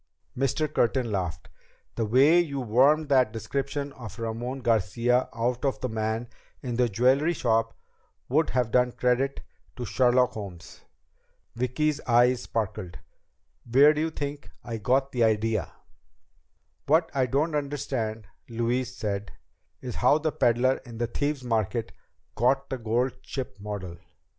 Mr. Curtin laughed. "The way you wormed that description of Ramon Garcia out of the man in the jewelry shop would have done credit to Sherlock Holmes." Vicki's eyes sparkled. "Where do you think I got the idea?" "What I don't understand," Louise said, "is how the peddler in the Thieves' Market got the gold ship model.